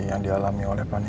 yang dialami oleh panino